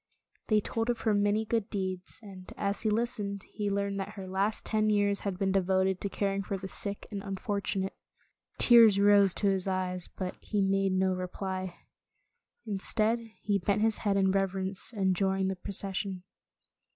They told of her many good deeds, and as he listened, he learned that her last ten years had been devoted to caring for the sick and un fortunate. Tears rose to his eyes, but he made no reply. Instead, he bent his head in reverence, and joined the procession.